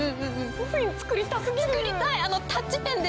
作りたい！